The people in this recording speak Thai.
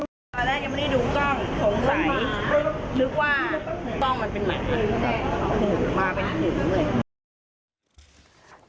ตอนแรกยังไม่ได้ดูกล้องสงสัยนึกว่ามันเป็นอะไรมาเป็นอะไร